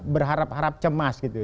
berharap harap cemas gitu